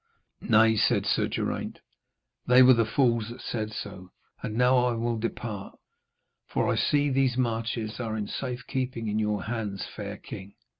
'Nay,' said Sir Geraint, 'they were the fools that said so. And now I will depart, for I see these marches are in safe keeping in your hands, fair king.'